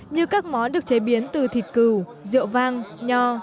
như các món được chế biến từ thịt cừu rượu vang nho